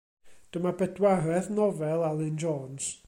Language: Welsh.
Dyma bedwaredd nofel Alun Jones.